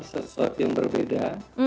sesuatu yang berbeda